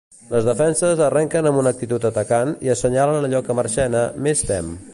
Les defenses arrenquen amb una actitud atacant i assenyalen allò que Marchena més tem.